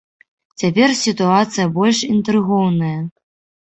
Цяпер сітуацыя больш інтрыгоўная.